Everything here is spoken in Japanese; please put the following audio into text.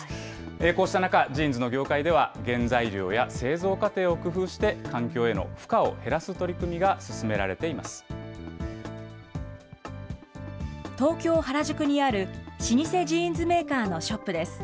こうした中、ジーンズの業界では、原材料や製造過程を工夫して環境への負荷を減らす取り組みが進め東京・原宿にある老舗ジーンズメーカーのショップです。